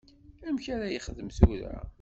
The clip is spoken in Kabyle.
Amek ara yexdem tura?